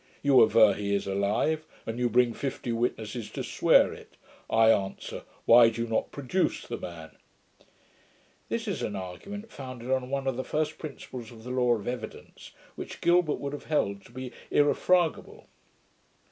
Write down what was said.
You aver he is alive, and you bring fifty witnesses to swear it: I answer, "Why do you not produce the man "' This is an argument founded on one of the first principles of the LAW OF EVIDENCE, which Gilbert would have held to be irrefragable.